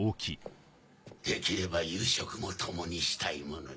できれば夕食も共にしたいものだ。